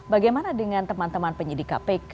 bagaimana dengan teman teman penyidik kpk